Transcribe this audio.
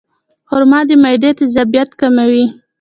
خرما د معدې تیزابیت کموي.